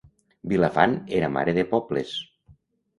Vilafant era mare de pobles.